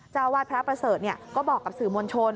เจ้าวาดพระประเสริฐก็บอกกับสื่อมวลชน